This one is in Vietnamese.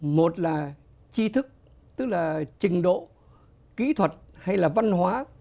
một là chi thức tức là trình độ kỹ thuật hay là văn hóa